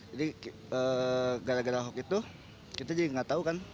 jadi gara gara hoaks itu kita jadi gak tau kan